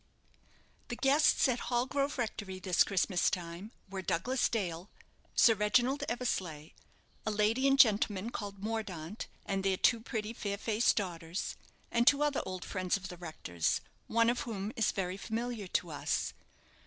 The guests at Hallgrove Rectory this Christmas time were Douglas Dale, Sir Reginald Eversleigh, a lady and gentleman called Mordaunt, and their two pretty, fair faced daughters, and two other old friends of the rector's, one of whom is very familiar to us.